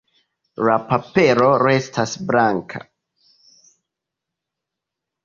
La papero restas blanka.